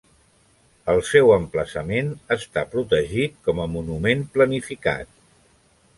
El seu emplaçament està protegit com a monument planificat.